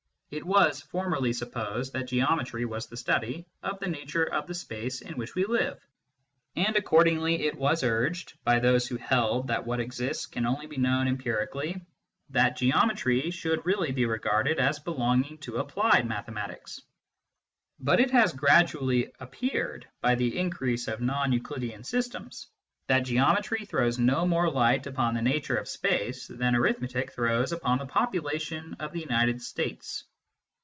It was formerly supposed that Geometry was the study of the nature of the space in which we live, and accordingly it was urged, by those who held that what exists can only be known empirically, that Geometry should really be regarded as belonging to applied mathematics. But it has gradually appeared, by the increase of non Euclidean systems, that Geometry throws no more light upon the nature of space than Arithmetic throws upon the popula tion of the United States.